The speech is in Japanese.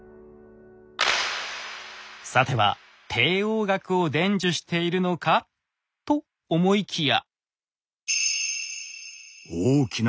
さては帝王学を伝授しているのか？と思いきや。